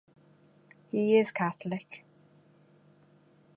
He is Catholic.